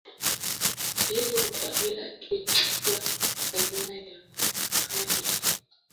hilo gari lake jipya aina ya Range Rover ya mwaka elfu mbili kumi na